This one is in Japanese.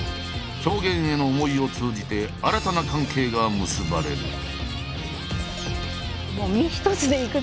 表現への思いを通じて新たな関係が結ばれる。